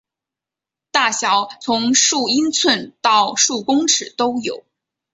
大小从数英寸到数公尺都有。